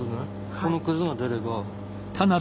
このくずが出れば。